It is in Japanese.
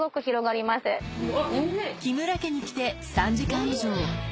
木村家に来て３時間以上。